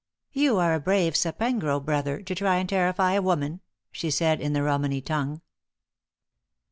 "You are a brave Sapengro, brother, to try and terrify a woman!" she said, in the Romany tongue.